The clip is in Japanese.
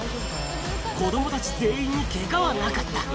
子どもたち全員にけがはなかった。